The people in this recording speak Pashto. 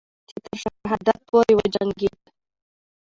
چې تر شهادت پورې وجنگید